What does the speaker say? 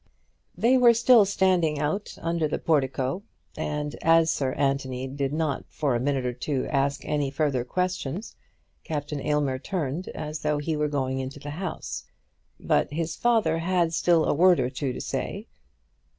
They were still standing out under the portico, and as Sir Anthony did not for a minute or two ask any further questions, Captain Aylmer turned as though he were going into the house. But his father had still a word or two to say.